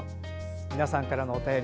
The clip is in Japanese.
皆さんからのお便り